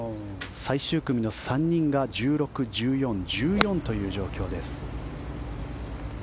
最終組の３人が１６、１４、１４という状況。